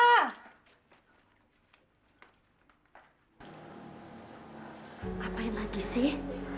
apa yang lagi sih